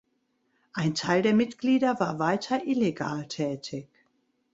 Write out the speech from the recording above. Ein Teil der Mitglieder war weiter illegal tätig.